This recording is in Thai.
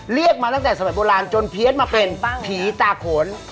เรียกมาตั้งแต่สมัยโบราณจนเพี้ยนมาเป็นผีตาโขน